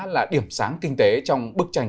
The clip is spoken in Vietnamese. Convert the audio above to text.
là điểm sáng kinh tế trong bức tranh